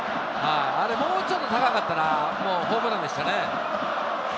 もうちょっと高かったらホームランでしたね。